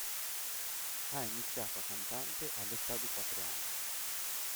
Ha iniziato a cantante all'età di quattro anni.